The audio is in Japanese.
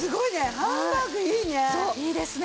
ハンバーグいいね。